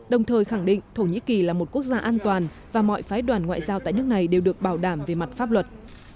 đồng thời khẳng định thổ nhĩ kỳ là một quốc gia an toàn và mọi phái đoàn ngoại giao tại nước này đều được bảo đảm về mặt pháp luật